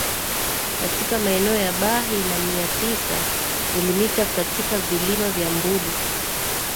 katika maeneo ya Bahi na mia tisa Milimita katika vilima vya Mbulu